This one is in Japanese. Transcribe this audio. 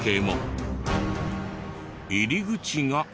入り口が。